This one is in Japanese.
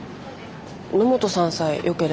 野本さんさえよければ。